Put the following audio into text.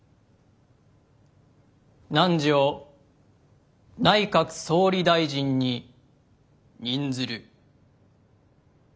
汝を内閣総理大臣に任ずる。